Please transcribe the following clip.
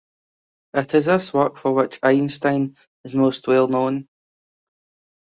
It is this work for which Einstein is most well known.